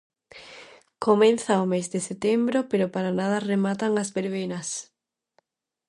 Comeza o mes de setembro pero para nada rematan as verbenas.